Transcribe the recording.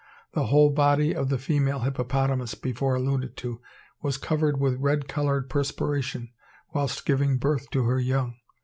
The whole body of the female hippopotamus, before alluded to, was covered with red coloured perspiration whilst giving birth to her young.